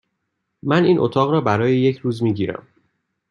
من این اتاق را برای یک روز می گیرم.